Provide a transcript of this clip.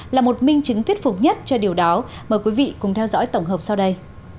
là một minh chứng thuyết phục nhất cho điều đó mời quý vị cùng theo dõi tổng hợp sau đây